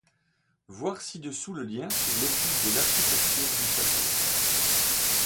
Voir ci-dessous le lien sur l'étude de l'architecture du château.